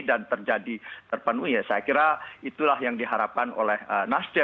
dan terjadi terpenuhi ya saya kira itulah yang diharapkan oleh nasdem